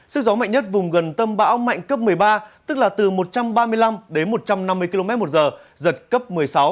sức gió mạnh nhất vùng gần tâm bão mạnh cấp một mươi ba tức là từ một trăm ba mươi năm đến một trăm năm mươi km một giờ giật cấp một mươi sáu